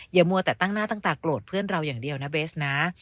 มัวแต่ตั้งหน้าตั้งตาโกรธเพื่อนเราอย่างเดียวนะเบสนะ